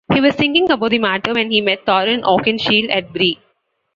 He was thinking about the matter when he met Thorin Oakenshield at Bree.